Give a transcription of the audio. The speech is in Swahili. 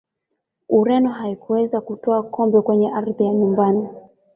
ureno haikuweza kutwaa kombe kwenye ardhi ya nyumbani